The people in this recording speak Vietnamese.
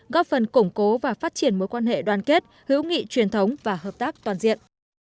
góp phần củng cố và phát triển mối quan hệ đoàn kết hữu nghị truyền thống và hợp tác toàn diện